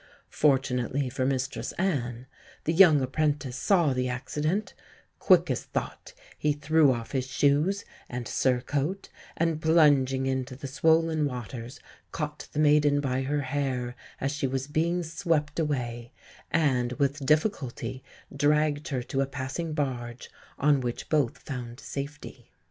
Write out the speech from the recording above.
Fortunately for Mistress Anne the young apprentice saw the accident; quick as thought he threw off his shoes and surcoat, and, plunging into the swollen waters, caught the maiden by her hair as she was being swept away, and with difficulty dragged her to a passing barge, on which both found safety.